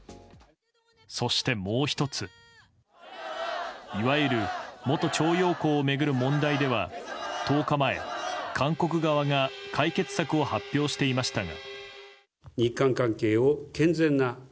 そして、もう１ついわゆる元徴用工を巡る問題では１０日前、韓国側が解決策を発表していましたが。